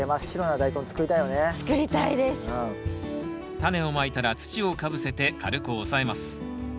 タネをまいたら土をかぶせて軽く押さえます。